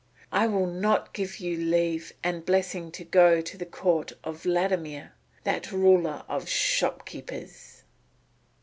I will not give you leave and blessing to go to the Court of Vladimir, that ruler of shop keepers."